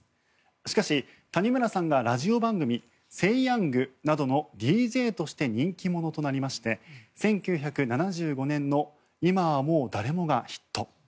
しかし、谷村さんがラジオ番組「セイ！ヤング」などのＤＪとして人気者となりまして１９７５年の「今はもうだれも」がヒット。